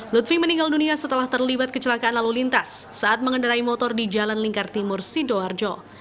lutfi meninggal dunia setelah terlibat kecelakaan lalu lintas saat mengendarai motor di jalan lingkar timur sidoarjo